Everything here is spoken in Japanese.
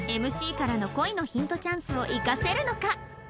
ＭＣ からの恋のヒントチャンスを生かせるのか？